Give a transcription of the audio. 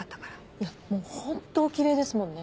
いやもうホントおキレイですもんね。